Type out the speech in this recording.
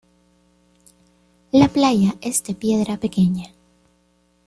La playa es de piedra pequeña.